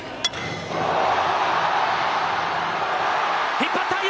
引っ張った。